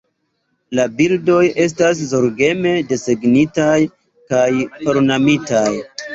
La bildoj estas zorgeme desegnitaj kaj ornamitaj.